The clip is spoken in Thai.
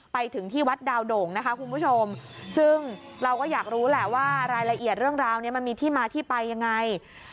ไปถึงที่วัดดาวโด่งนะคะคุณผู้ชมซึ่งเราก็อยากรู้แหละว่ารายละเอียดเรื่องราวนี้มันมีที่มาที่ไปยังไง